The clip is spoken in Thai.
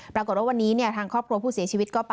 ปรากฏว่าวันนี้ทางครอบครัวผู้เสียชีวิตก็ไป